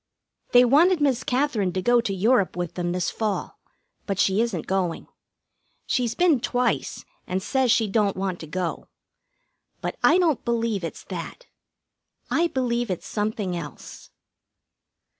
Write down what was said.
They wanted Miss Katherine to go to Europe with them this fall, but she isn't going. She's been twice, and says she don't want to go. But I don't believe it's that. I believe it's something else.